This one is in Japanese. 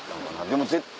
でも絶対。